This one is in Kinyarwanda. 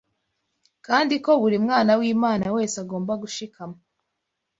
kandi ko buri mwana w’Imana wese agomba gushikama